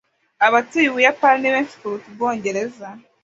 Abatuye Ubuyapani ni benshi kuruta ubwUbwongereza